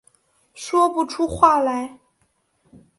说不出话来